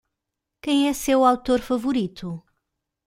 Quem é seu autor favorito?